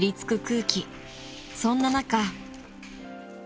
［そんな中］